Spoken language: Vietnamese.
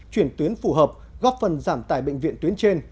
chuyển tuyến phù hợp góp phần giảm tải bệnh viện tuyến trên